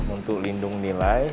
untuk lindung nilai